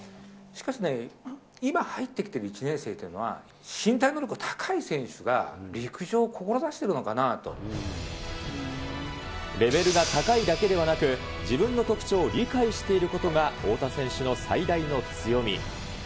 しかしね、今入ってきている１年生っていうのは、身体能力が高い選手が陸上を志してるのかなと。レベルが高いだけではなく、自分の特徴を理解していることが太田選手の最大の強み。